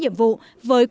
hết sức là xuất sắc